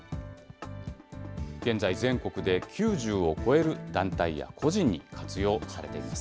現在、全国で９０を超える団体や個人に活用されています。